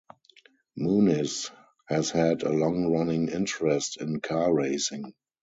Muniz has had a long-running interest in car racing.